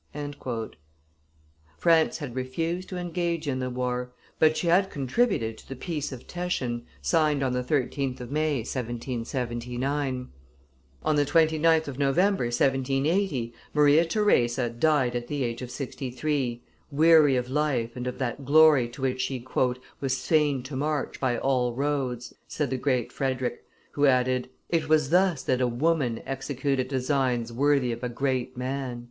France had refused to engage in the war, but she had contributed to the peace of Teschen, signed on the 13th of May, 1779. On the 29th of November, 1780, Maria Theresa died at the age of sixty three, weary of life and of that glory to which she "was fain to march by all roads," said the Great Frederick, who added: "It was thus that a woman executed designs worthy of a great man."